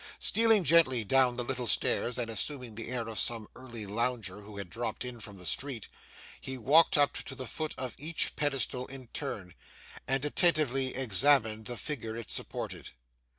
Stealing gently down the little stairs, and assuming the air of some early lounger who had dropped in from the street, he walked up to the foot of each pedestal in turn, and attentively examined the figure it supported.